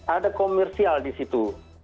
ada komersial di situ